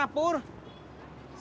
bapak saya ke sini